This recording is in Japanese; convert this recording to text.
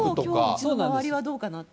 うちの周りはどうかなって。